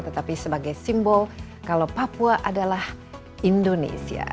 tetapi sebagai simbol kalau papua adalah indonesia